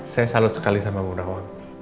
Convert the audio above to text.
saya salut sekali sama ibu dawang